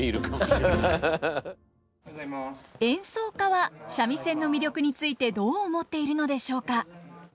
演奏家は三味線の魅力についてどう思っているのでしょうか。